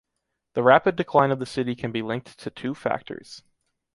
The rapid decline of the city can be linked to two factors.